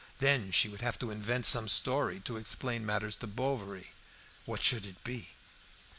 Then she would have to invent some story to explain matters to Bovary. What should it be?